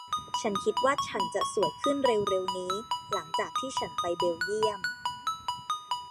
ฉันคิดว่าฉันจะสวยขึ้นเร็ว ๆ นี้หลังจากที่ฉันไปเบลเยี่ยม